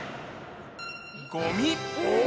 ごみ。